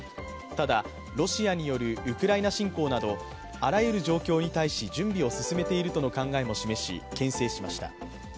ただ、ロシアによるウクライナ侵攻などあらゆる状況に対し準備を進めているとの考えも示しけん制しました。